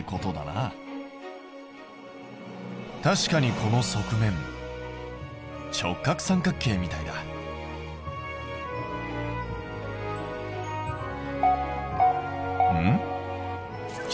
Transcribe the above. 確かにこの側面直角三角形みたいだ。んっ？